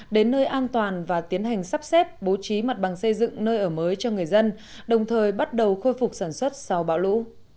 đến nơi an toàn và tiến hành sắp xếp bố trí mặt bằng xây dựng nơi ở mới cho người dân đồng thời bắt đầu khôi phục sản xuất sau bão lũ